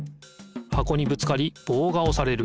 箱にぶつかりぼうがおされる。